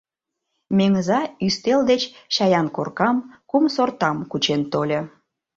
Меҥыза ӱстел деч чаян коркам, кум сортам кучен тольо.